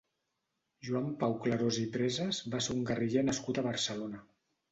Joan Pau Clarós i Presas va ser un guerriller nascut a Barcelona.